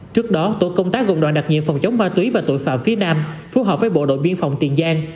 trước đó tổ công tác gồm đoàn đặc nhiệm phòng chống ma túy và tội phạm phía nam phù hợp với bộ đội biên phòng tiền giang